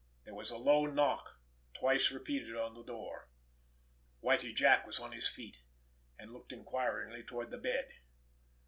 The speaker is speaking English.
There was a low knock, twice repeated on the door. Whitie Jack was on his feet, and looking inquiringly toward the bed.